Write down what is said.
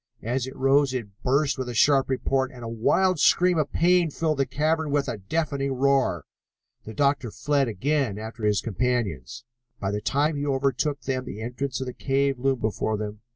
As it rose it burst with a sharp report, and a wild scream of pain filled the cavern with a deafening roar. The doctor fled again after his companions. By the time he overtook them the entrance of the cave loomed before them.